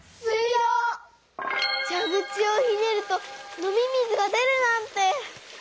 じゃぐちをひねると飲み水が出るなんて！